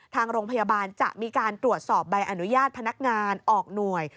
ทางโรงพยาบาลจะมีการตรวจสอบใบอนุญาตพนักงานออกหน่วย